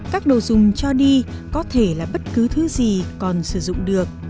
các đồ dùng cho đi có thể là bất cứ thứ gì còn sử dụng được